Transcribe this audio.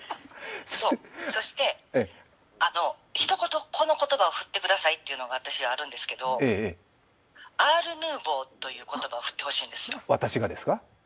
そして、ひと言、この言葉を振ってくださいというのがあるんですが、アールヌーボーという言葉を振ってほしいんですよ。